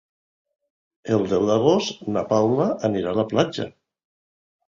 El deu d'agost na Paula anirà a la platja.